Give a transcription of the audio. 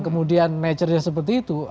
kemudian mature nya seperti itu